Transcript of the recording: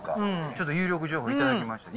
ちょっと有力情報頂きました。